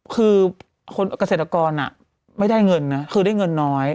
คือเกษตรกรไม่ได้เงินนะคือได้เงินน้อย